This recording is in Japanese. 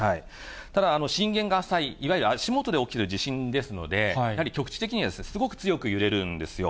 ただ、震源が浅い、いわゆる足元で起きる地震ですので、やはり局地的にはすごく強く揺れるんですよ。